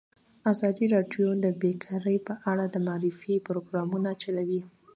ازادي راډیو د بیکاري په اړه د معارفې پروګرامونه چلولي.